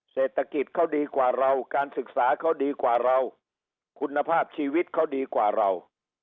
เศรษฐกิจเขาดีกว่าเราการศึกษาเขาดีกว่าเราคุณภาพชีวิตเขาดีกว่าเรา